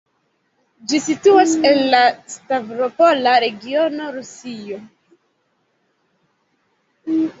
Ĝi situas en la Stavropola regiono, Rusio.